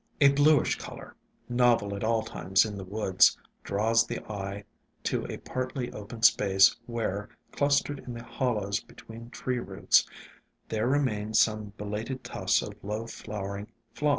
A bluish color, novel at all times in the woods, draws the eye to a partly open space where, clus tered in the hollows between tree roots, there re IN SILENT WOODS III main some belated tufts of low flowering Phlox.